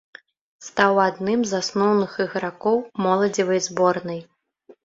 Стаў адным з асноўных ігракоў моладзевай зборнай.